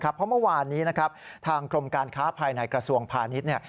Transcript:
เพราะเมื่อวานนี้นะครับทางกรมการค้าภายในกระทรวงพาณิชย์